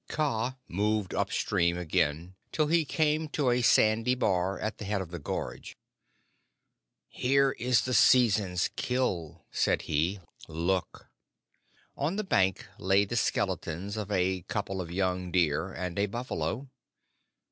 Kaa moved up stream again till he came to a sandy bar at the head of the gorge. "Here is this season's kill," said he. "Look!" On the bank lay the skeletons of a couple of young deer and a buffalo.